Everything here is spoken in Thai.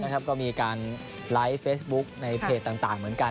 ก็มีการไลฟ์เฟสบุ๊กในเพจต่าง